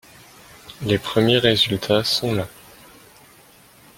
Les premiers résultats sont là.